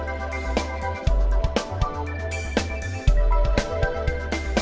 ngelirim warrior perempuan melikung untuk rough